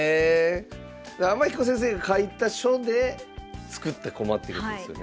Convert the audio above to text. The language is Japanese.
天彦先生が書いた書で作った駒ってことですよね。